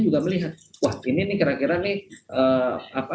juga melihat wah ini nih kira kira nih